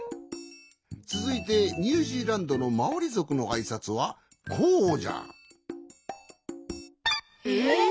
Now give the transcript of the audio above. つづいてニュージーランドのマオリぞくのあいさつはこうじゃ。え？